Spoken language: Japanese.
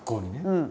うん。